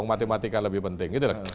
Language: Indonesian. matematika lebih penting gitu loh